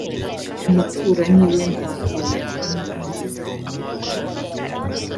umuturanyi we ntabwo yabona ineza imuturukaho